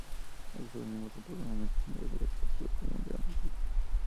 Estos organismos son probablemente similares al antepasado común de ambos grupos.